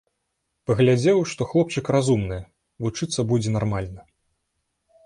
Паглядзеў, што хлопчык разумны, вучыцца будзе нармальна.